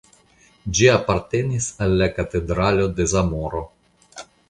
Ĝi apartenis al la Katedralo de Zamoro.